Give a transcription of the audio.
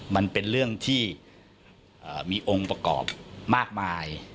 มันเป็นเรื่องที่มีองค์ประกอบมากมาย